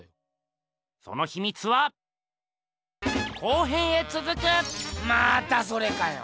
そのひみつはまたそれかよ。